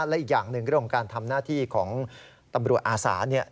และอีกอย่างหนึ่งเรื่องของการทำหน้าที่ของตำรวจอาสาเนี่ย